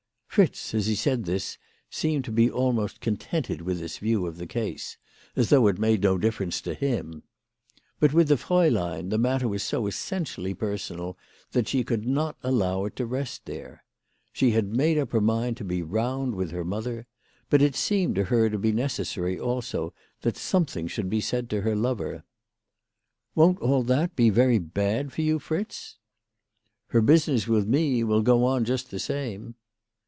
Fritz, as he said this, seemed to be almost contented with this view of the case, as though it made no dif ference to him. But with the fraulein the matter was so essentially personal that she could not allow it to rest there. She had made up her mind to be round with her mother ; but it seemed to her to be necessary, also, that something should be said to her lover. ""Won't all that be very bad for you, Fritz ?"" Her business with me will go on just the same."